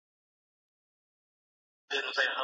که تاسو په منظمه توګه ورزش وکړئ نو خوب به مو ډېر ارام شي.